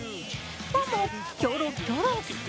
ファンもキョロキョロ。